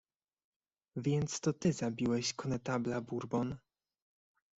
"Więc to ty zabiłeś konetabla Bourbon."